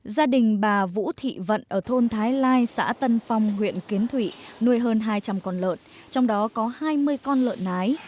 gia đình bà vũ thị vận ở thôn thái lai xã tân phong huyện kiến thụy nuôi hơn hai trăm linh con lợn trong đó có hai mươi con lợn nái